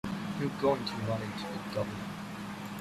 You're going to run into the Governor.